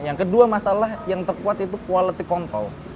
yang kedua masalah yang terkuat itu kualitas kontrol